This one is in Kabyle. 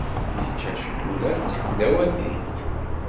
Yecca ccikula ed tḥelwatin.